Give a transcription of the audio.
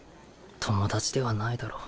友達ではないだろ。